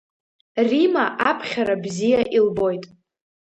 Рима аԥхьара бзиа илбоит.